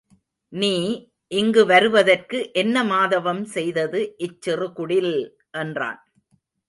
நீ இங்கு வருவதற்கு என்ன மாதவம் செய்தது இச்சிறுகுடில்! என்றான்.